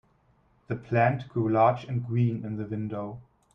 The plant grew large and green in the window.